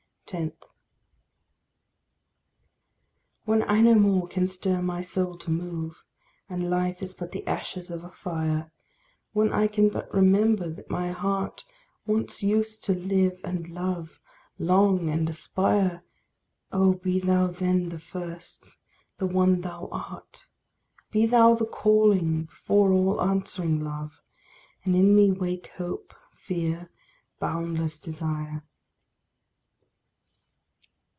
10. When I no more can stir my soul to move, And life is but the ashes of a fire; When I can but remember that my heart Once used to live and love, long and aspire, Oh, be thou then the first, the one thou art; Be thou the calling, before all answering love, And in me wake hope, fear, boundless desire.